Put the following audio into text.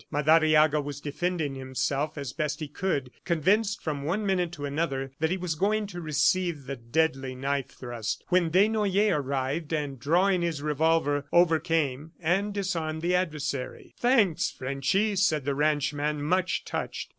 Madariaga was defending himself as best he could, convinced from one minute to another that he was going to receive the deadly knife thrust when Desnoyers arrived and, drawing his revolver, overcame and disarmed the adversary. "Thanks, Frenchy," said the ranchman, much touched.